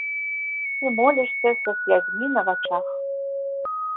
І молішся са слязьмі на вачах.